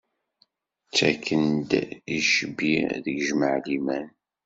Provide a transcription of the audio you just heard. Ttaken-d icbi deg jmaɛliman.